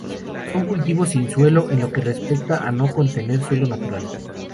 Son cultivos sin suelo, en lo que respecta a no contener suelo natural.